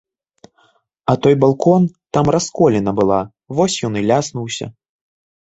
А той балкон, там расколіна была, вось ён і ляснуўся.